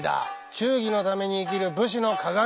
忠義のために生きる武士の鑑。